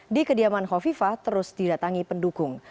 di kediaman hovifah terus didatangi pendukung